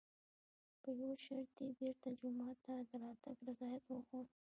په یوه شرط یې بېرته جومات ته د راتګ رضایت وښود.